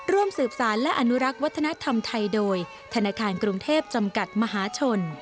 ร่วมสืบสารและอนุรักษ์วัฒนธรรมไทยโดยธนาคารกรุงเทพจำกัดมหาชน